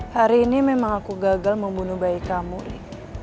hari ini memang aku gagal membunuh bayi kamu nih